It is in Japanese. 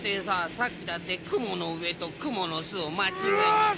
さっきだってくものうえとくものすをまちがえたし。